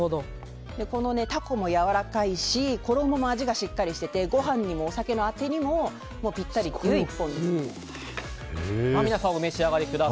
このタコもやわらかいし衣も味がしっかりついていてご飯にもお酒のあてにもぴったりという１本です。